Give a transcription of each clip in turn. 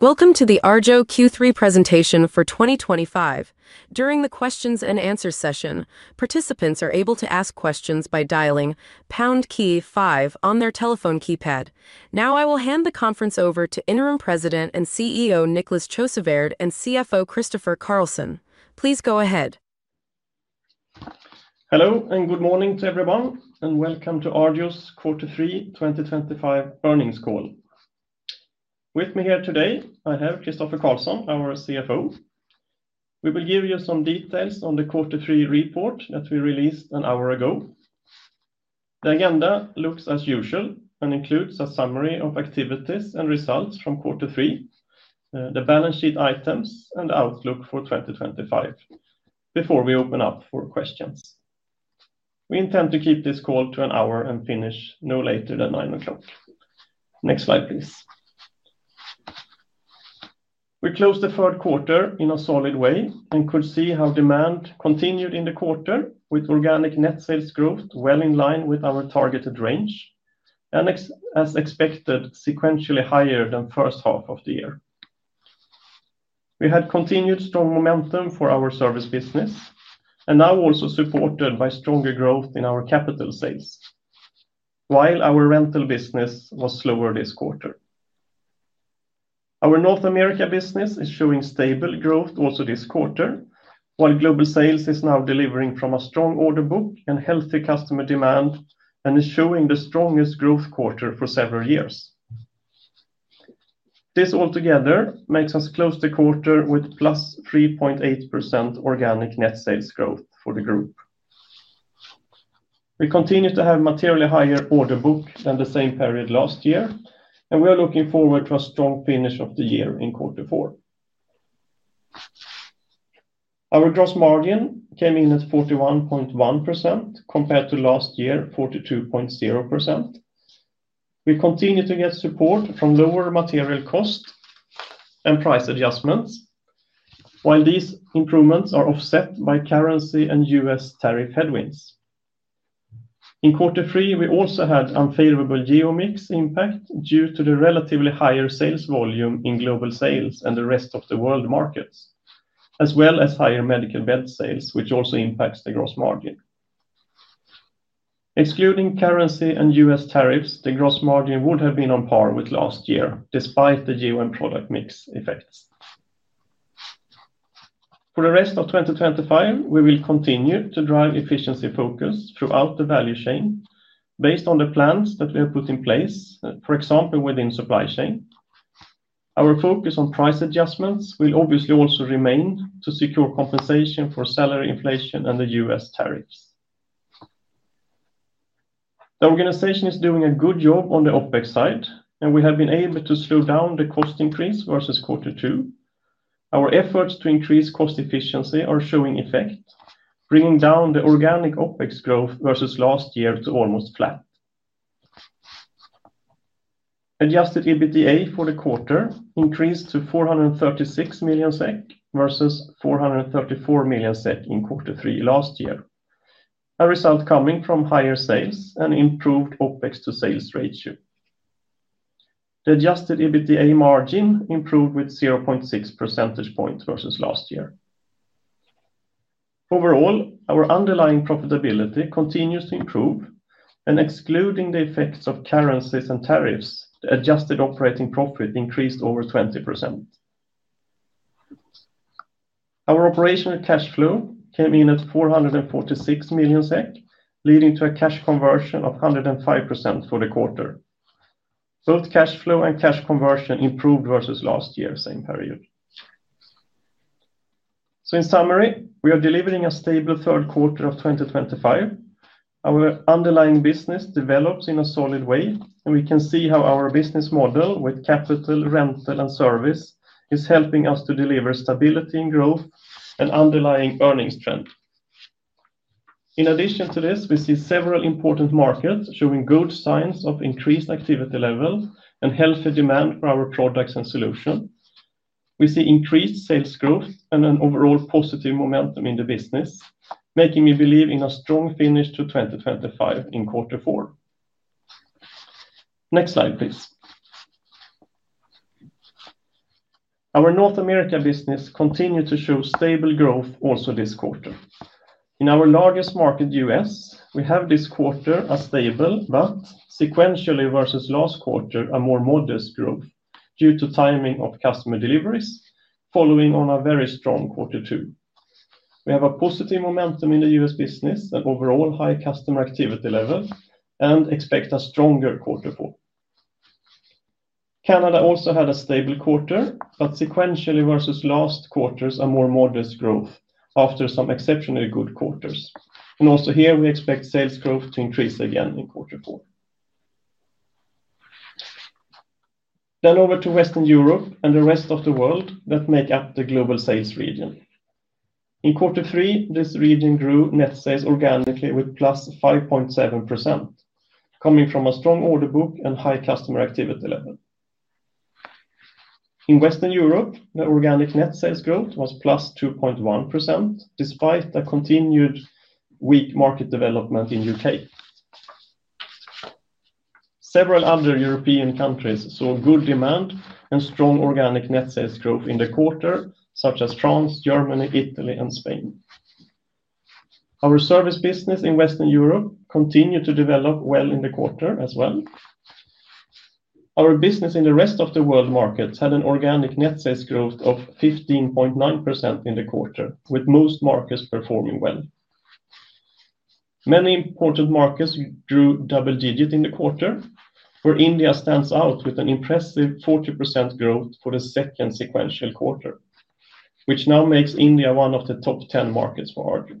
Welcome to the Arjo Q3 presentation for 2025. During the questions-and-answers session, participants are able to ask questions by dialing pound key five on their telephone keypad. Now, I will hand the conference over to Interim President and CEO Niclas Sjöswärd and CFO Christofer Carlsson. Please go ahead. Hello and good morning to everyone, and welcome to Arjo's Quarter 3 2025 earnings call. With me here today, I have Christofer Carlsson, our CFO. We will give you some details on the Quarter 3 report that we released an hour ago. The agenda looks as usual and includes a summary of activities and results from Quarter 3, the balance sheet items, and the outlook for 2025. Before we open up for questions, we intend to keep this call to an hour and finish no later than 9:00 A.M. Next slide, please. We closed the third quarter in a solid way and could see how demand continued in the quarter, with organic net sales growth well in line with our targeted range and, as expected, sequentially higher than the first half of the year. We had continued strong momentum for our service business and now also supported by stronger growth in our capital sales, while our rental business was slower this quarter. Our North America business is showing stable growth also this quarter, while global sales are now delivering from a strong order book and healthy customer demand and are showing the strongest growth quarter for several years. This altogether makes us close the quarter with +3.8% organic net sales growth for the group. We continue to have a materially higher order book than the same period last year, and we are looking forward to a strong finish of the year in Quarter 4. Our gross margin came in at 41.1% compared to last year's 42.0%. We continue to get support from lower material costs and price adjustments, while these improvements are offset by currency and U.S. tariff headwinds. In Quarter 3, we also had unfavorable geo mix impact due to the relatively higher sales volume in global sales and the rest of the world markets, as well as higher medical bed sales, which also impacts the gross margin. Excluding currency and U.S. tariffs, the gross margin would have been on par with last year, despite the geo and product mix effects. For the rest of 2025, we will continue to drive efficiency focus throughout the value chain based on the plans that we have put in place, for example, within supply chain. Our focus on price adjustments will obviously also remain to secure compensation for salary inflation and the U.S. tariffs. The organization is doing a good job on the OpEx side, and we have been able to slow down the cost increase versus Q2. Our efforts to increase cost efficiency are showing effect, bringing down the organic OpEx growth versus last year to almost flat. Adjusted EBITDA for the quarter increased to 436 million SEK versus 434 million SEK in Quarter 3 last year, a result coming from higher sales and improved OpEx to sales ratio. The adjusted EBITDA margin improved with 0.6 percentage points versus last year. Overall, our underlying profitability continues to improve, and excluding the effects of currencies and tariffs, the adjusted operating profit increased over 20%. Our operational cash flow came in at 446 million SEK, leading to a cash conversion of 105% for the quarter. Both cash flow and cash conversion improved versus last year's same period. In summary, we are delivering a stable third quarter of 2025. Our underlying business develops in a solid way, and we can see how our business model with capital, rental, and service is helping us to deliver stability in growth and underlying earnings trend. In addition to this, we see several important markets showing good signs of increased activity level and healthy demand for our products and solutions. We see increased sales growth and an overall positive momentum in the business, making me believe in a strong finish to 2025 in Quarter 4. Next slide, please. Our North America business continued to show stable growth also this quarter. In our largest market, the U.S., we have this quarter a stable but sequentially versus last quarter a more modest growth due to timing of customer deliveries following on a very strong Quarter 2. We have a positive momentum in the U.S. business and overall high customer activity level and expect a stronger Quarter 4. Canada also had a stable quarter, but sequentially versus last quarter a more modest growth after some exceptionally good quarters. Also here, we expect sales growth to increase again in Quarter 4. Over to Western Europe and the rest of the world that make up the global sales region. In Quarter 3, this region grew net sales organically with +5.7% coming from a strong order book and high customer activity level. In Western Europe, the organic net sales growth was +2.1% despite the continued weak market development in the U.K. Several other European countries saw good demand and strong organic net sales growth in the quarter, such as France, Germany, Italy, and Spain. Our service business in Western Europe continued to develop well in the quarter as well. Our business in the rest of the world markets had an organic net sales growth of 15.9% in the quarter, with most markets performing well. Many important markets grew double-digit in the quarter, where India stands out with an impressive 40% growth for the second sequential quarter, which now makes India one of the top 10 markets for Arjo.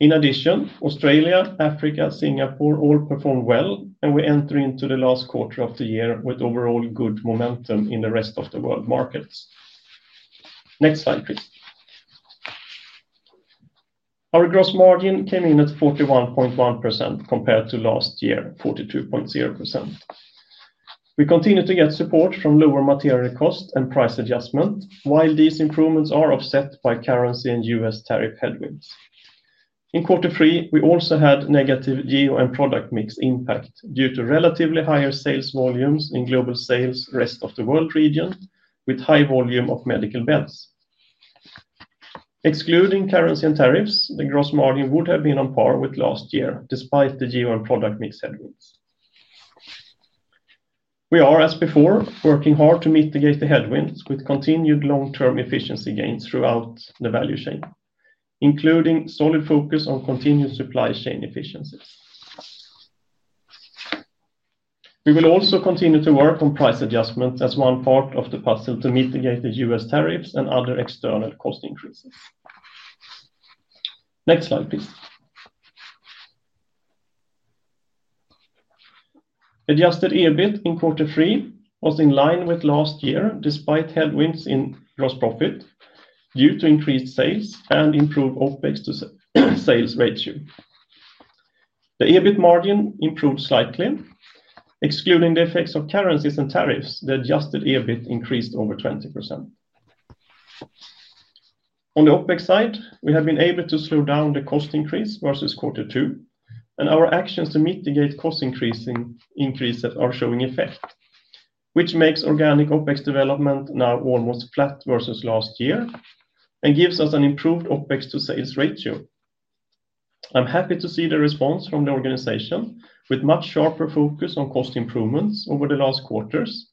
In addition, Australia, Africa, and Singapore all performed well, and we enter into the last quarter of the year with overall good momentum in the rest of the world markets. Next slide, please. Our gross margin came in at 41.1% compared to last year's 42.0%. We continue to get support from lower material costs and price adjustments, while these improvements are offset by currency and U.S. tariff headwinds. In Quarter 3, we also had negative geo and product mix impact due to relatively higher sales volumes in global sales and the rest of the world region, with high volume of medical beds. Excluding currency and tariffs, the gross margin would have been on par with last year despite the geo and product mix headwinds. We are, as before, working hard to mitigate the headwinds with continued long-term efficiency gains throughout the value chain, including solid focus on continued supply chain efficiencies. We will also continue to work on price adjustments as one part of the puzzle to mitigate the U.S. tariffs and other external cost increases. Next slide, please. Adjusted EBIT in Quarter 3 was in line with last year despite headwinds in gross profit due to increased sales and improved OpEx to sales ratio. The EBIT margin improved slightly. Excluding the effects of currencies and tariffs, the adjusted EBIT increased over 20%. On the OpEx side, we have been able to slow down the cost increase versus Quarter 2, and our actions to mitigate cost increases are showing effect, which makes organic OpEx development now almost flat versus last year and gives us an improved OpEx to sales ratio. I'm happy to see the response from the organization with much sharper focus on cost improvements over the last quarters,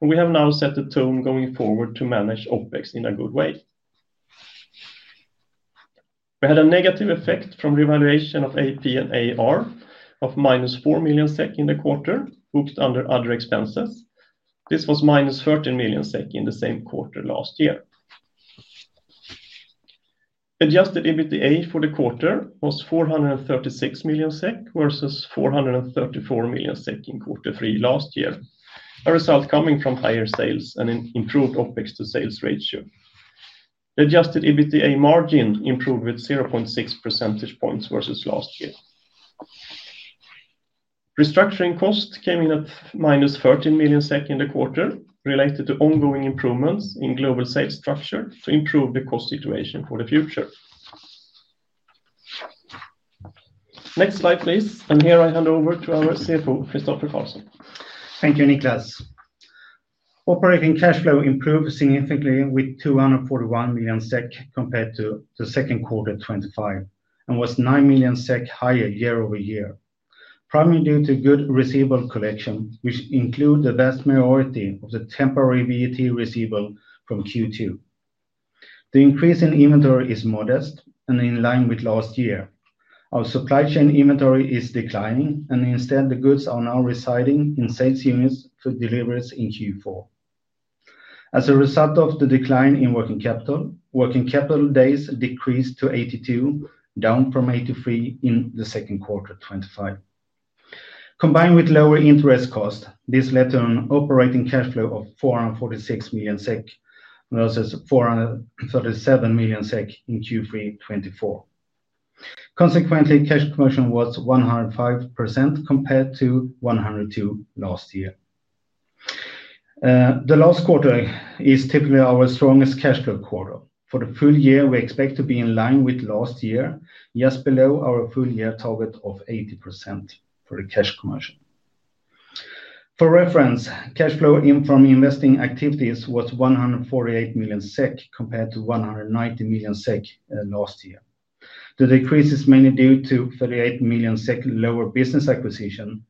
and we have now set the tone going forward to manage OpEx in a good way. We had a negative effect from revaluation of AP and AR of -4 million SEK in the quarter booked under other expenses. This was -13 million SEK in the same quarter last year. Adjusted EBITDA for the quarter was 436 million SEK versus 434 million SEK in Quarter 3 last year, a result coming from higher sales and an improved OpEx to sales ratio. The adjusted EBITDA margin improved with 0.6 percentage points versus last year. Restructuring costs came in at -13 million SEK in the quarter related to ongoing improvements in global sales structure to improve the cost situation for the future. Next slide, please. Here I hand over to our CFO, Christofer Carlsson. Thank you, Niclas. Operating cash flow improved significantly with 241 million SEK compared to the second quarter of 2025 and was 9 million SEK higher year over year, primarily due to good receivable collection, which includes the vast majority of the temporary VAT receivable from Q2. The increase in inventory is modest and in line with last year. Our supply chain inventory is declining, and instead, the goods are now residing in sales units for deliveries in Q4. As a result of the decline in working capital, working capital days decreased to 82, down from 83 in the second quarter of 2025. Combined with lower interest costs, this led to an operating cash flow of 446 million SEK versus 437 million SEK in Q3 2024. Consequently, cash flow was 105% compared to 102% last year. The last quarter is typically our strongest cash flow quarter. For the full year, we expect to be in line with last year, just below our full-year target of 80% for the cash flow. For reference, cash flow from investing activities was 148 million SEK compared to 190 million SEK last year. The decrease is mainly due to 38 million SEK lower business acquisitions.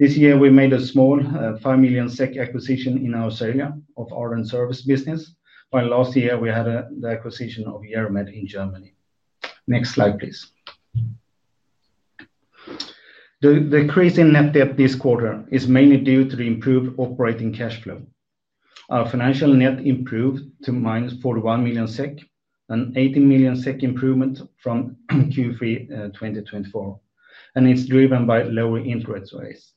This year, we made a small 5 million SEK acquisition in Australia of our service business, while last year we had the acquisition of GerroMed in Germany. Next slide, please. The decrease in net debt this quarter is mainly due to the improved operating cash flow. Our financial net improved to -41 million SEK, an 80 million SEK improvement from Q3 2024, and it's driven by lower interest rates.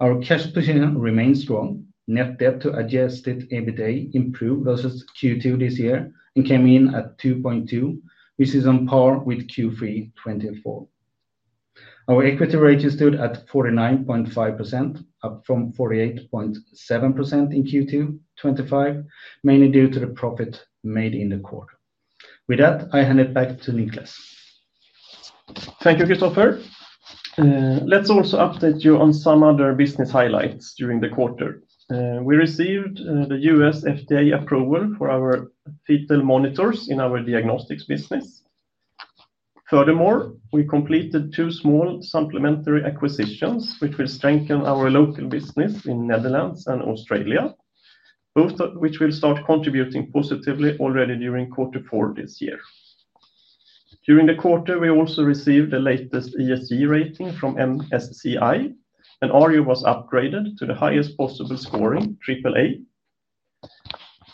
Our cash position remains strong. Net debt to adjusted EBITDA improved versus Q2 this year and came in at 2.2x, which is on par with Q3 2024. Our equity ratio stood at 49.5%, up from 48.7% in Q2 2025, mainly due to the profit made in the quarter. With that, I hand it back to Niclas. Thank you, Christofer. Let's also update you on some other business highlights during the quarter. We received the U.S. FDA approval for our fetal monitors in our diagnostics business. Furthermore, we completed two small supplementary acquisitions, which will strengthen our local business in the Netherlands and Australia, both of which will start contributing positively already during Quarter 4 this year. During the quarter, we also received the latest ESG rating from MSCI, and Arjo was upgraded to the highest possible scoring, AAA.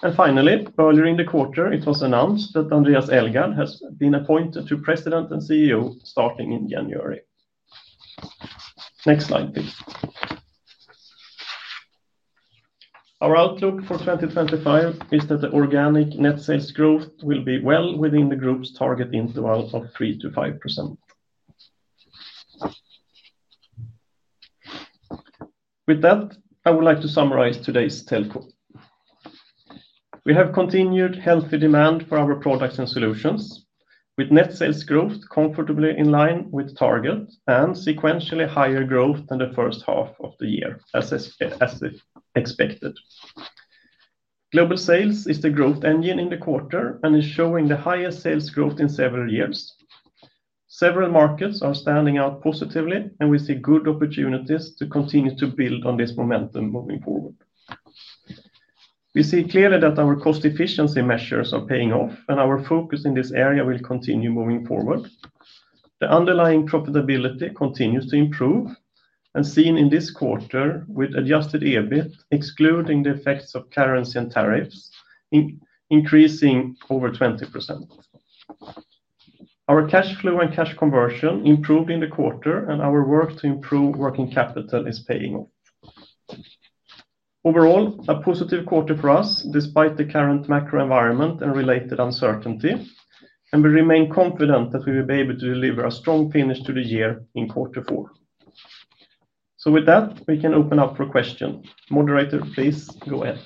Earlier in the quarter, it was announced that Andreas Elgard has been appointed to President and CEO starting in January. Next slide, please. Our outlook for 2025 is that the organic net sales growth will be well within the group's target interval of 3%-5%. With that, I would like to summarize today's telco. We have continued healthy demand for our products and solutions, with net sales growth comfortably in line with target and sequentially higher growth than the first half of the year, as expected. Global sales is the growth engine in the quarter and is showing the highest sales growth in several years. Several markets are standing out positively, and we see good opportunities to continue to build on this momentum moving forward. We see clearly that our cost efficiency measures are paying off, and our focus in this area will continue moving forward. The underlying profitability continues to improve, as seen in this quarter with adjusted EBIT excluding the effects of currency and tariffs, increasing over 20%. Our cash flow and cash conversion improved in the quarter, and our work to improve working capital is paying off. Overall, a positive quarter for us despite the current macro environment and related uncertainty, and we remain confident that we will be able to deliver a strong finish to the year in Q4. With that, we can open up for questions. Moderator, please go ahead.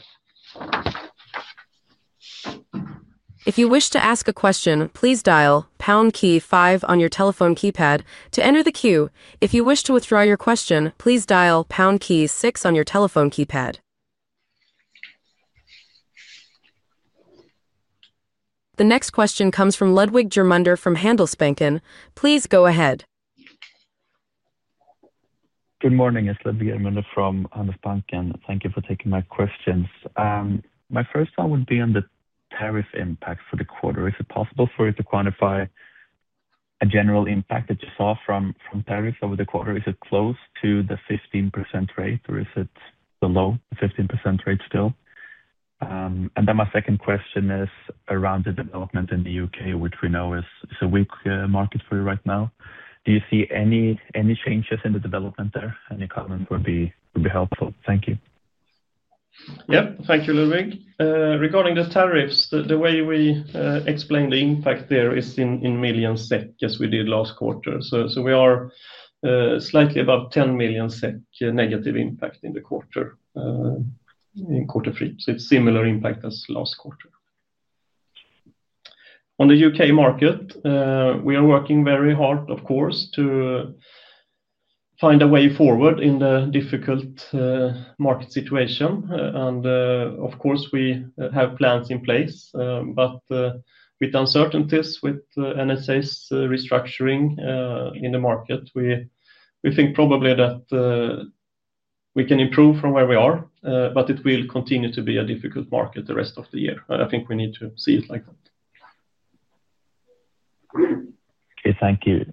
If you wish to ask a question, please dial pound key five on your telephone keypad to enter the queue. If you wish to withdraw your question, please dial pound key six on your telephone keypad. The next question comes from Ludwig Germunder from Handelsbanken. Please go ahead. Good morning. It's Germunder from Handelsbanken. Thank you for taking my questions. My first one would be on the tariff impact for the quarter. Is it possible for you to quantify a general impact that you saw from tariffs over the quarter? Is it close to the 15% rate, or is it below the 15% rate still? My second question is around the development in the U.K., which we know is a weak market for you right now. Do you see any changes in the development there? Any comments would be helpful. Thank you. Thank you, Ludwig. Regarding the tariffs, the way we explain the impact there is in million SEK, as we did last quarter. We are slightly above 10 million SEK negative impact in the quarter in Q3. It's a similar impact as last quarter. On the U.K. market, we are working very hard, of course, to find a way forward in the difficult market situation. We have plans in place. With uncertainties, with NSA's restructuring in the market, we think probably that we can improve from where we are, but it will continue to be a difficult market the rest of the year. I think we need to see it like that. Okay. Thank you.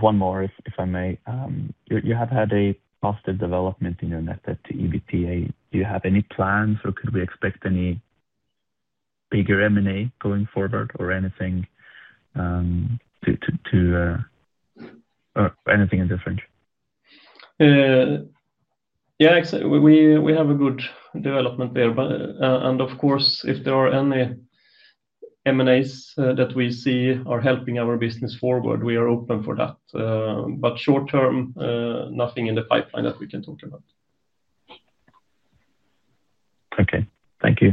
One more, if I may. You have had a positive development in your net debt to adjusted EBITDA. Do you have any plans, or could we expect any bigger M&A going forward or anything different? Yeah, we have a good development there. Of course, if there are any M&As that we see are helping our business forward, we are open for that. Short term, nothing in the pipeline that we can talk about. Okay, thank you.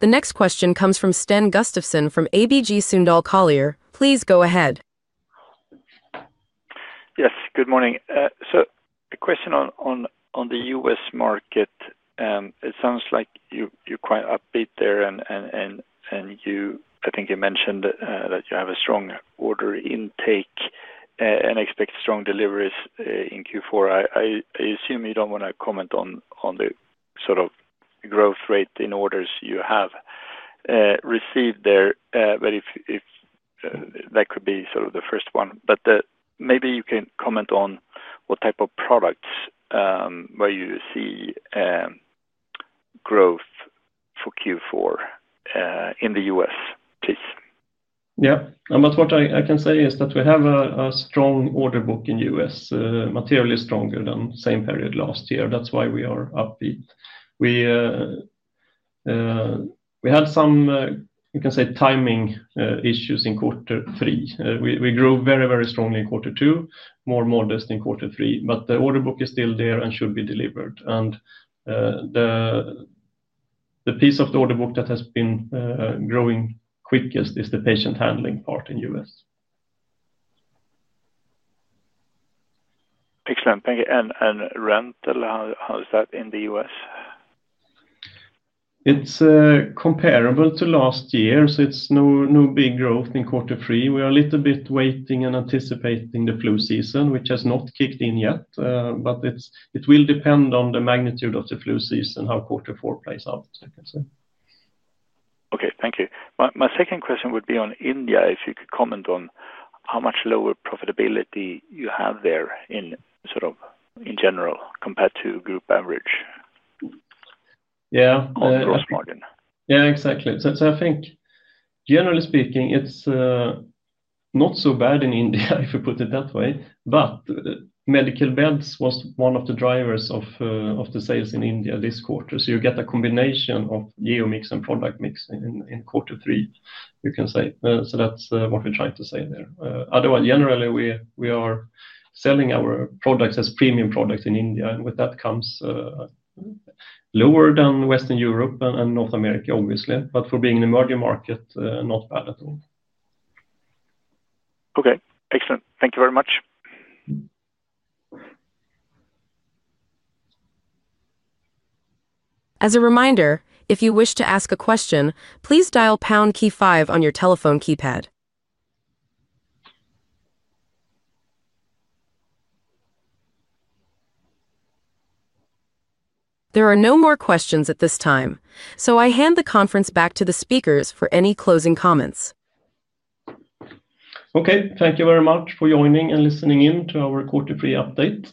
The next question comes from Sten Gustafsson from ABG Sundal Collier. Please go ahead. Yes. Good morning. A question on the US market. It sounds like you're quite upbeat there, and I think you mentioned that you have a strong order intake and expect strong deliveries in Q4. I assume you don't want to comment on the sort of growth rate in orders you have received there. If that could be sort of the first one. Maybe you can comment on what type of products where you see growth for Q4 in the US, please. Yeah. What I can say is that we have a strong order book in the US, materially stronger than the same period last year. That is why we are upbeat. We had some, you can say, timing issues in Q3. We grew very, very strongly in Q2, more modest in Q3. The order book is still there and should be delivered. The piece of the order book that has been growing quickest is the patient handling part in the US. Excellent. Thank you. Rental, how is that in the US? It's comparable to last year, so it's no big growth in Quarter 3. We are a little bit waiting and anticipating the flu season, which has not kicked in yet. It will depend on the magnitude of the flu season, how Quarter 4 plays out, I can say. Okay. Thank you. My second question would be on India, if you could comment on how much lower profitability you have there in sort of in general compared to group average. Yeah. Gross margin. Yeah, exactly. I think, generally speaking, it's not so bad in India, if you put it that way. Medical beds was one of the drivers of the sales in India this quarter. You get a combination of geo mix and product mix in Quarter 3, you can say. That's what we're trying to say there. Otherwise, generally, we are selling our products as premium products in India, and with that comes lower than Western Europe and North America, obviously. For being an emerging market, not bad at all. Okay. Excellent. Thank you very much. As a reminder, if you wish to ask a question, please dial pound key five on your telephone keypad. There are no more questions at this time. I hand the conference back to the speakers for any closing comments. Thank you very much for joining and listening in to our Quarter 3 update.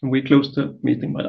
We close the meeting now.